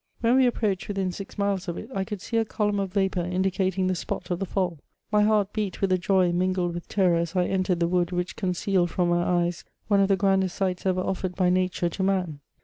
When we ap proached within six miles of il^ Ir could see a column of Tapour in dicating the spot of the &11. My heart beat with a joy mingled with terror as I entered the wood which concealed from my eyes one of the grandest sights ever offered by nature to man.